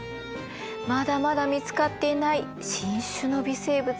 まだまだ見つかっていない新種の微生物